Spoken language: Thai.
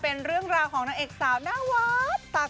เป็นเรื่องราวของต้นเอกสาวหน้าวัฒน์